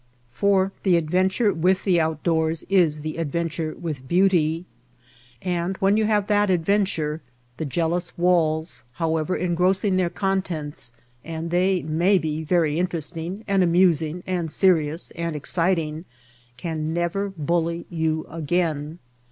For the adventure w^ith the outdoors is the adventure with beauty. And when you have that adventure the jealous walls, however engrossing their contents, and they may be very interesting and amusing and serious and exciting, can never bully you again.